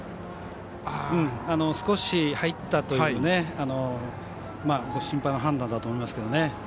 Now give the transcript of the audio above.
少し入ったという審判の判断だと思いますけどね。